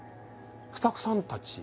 スタッフさん達